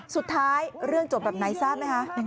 เรื่องจบแบบไหนทราบไหมคะ